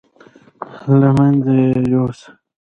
له منځه یې یوسه.